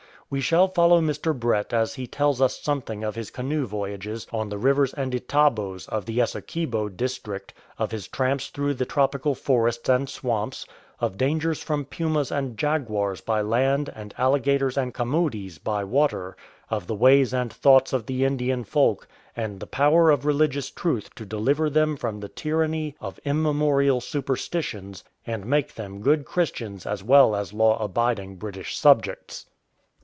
We shall follow Mr. Brett as he tells us something of his canoe voyages on the rivers and itabbos of the Essequibo district, of his tramps through the tropical forests and swamps, of dangers from pumas and jaguars by land and alligators and camiidis by water, of the ways and thoughts of the Indian folk, and the power of religious truth to deliver them from the tyranny of immemorial superstitions and make them good Christians as well as law abiding British subjects.